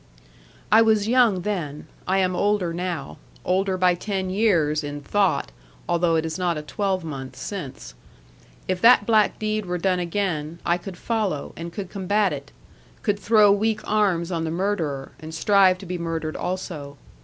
'I was young then. I am older now; older by ten years, in thought, although it is not a twelvemonth since. If that black deed were done again, I could follow, and could combat it, could throw weak arms on the murderer, and strive to be murdered also.